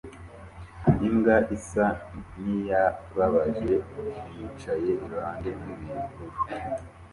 Imbwa isa niyababaje yicaye iruhande rwibihuru